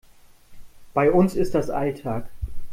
Bei uns ist das Alltag.